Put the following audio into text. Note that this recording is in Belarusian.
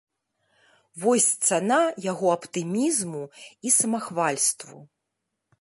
Вось цана яго аптымізму і самахвальству.